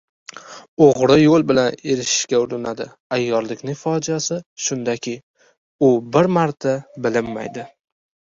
ogri yo‘l bilan erigaishga urinadi; ayyorlikning fojiasi shundaki, u bir marta bilinmaydi